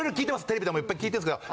テレビでもいっぱい聞いてるんですけど。